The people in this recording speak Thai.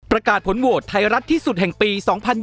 ประกาศผลโหวตไทยรัฐที่สุดแห่งปี๒๐๒๐